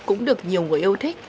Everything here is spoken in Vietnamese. cũng được nhiều người yêu thích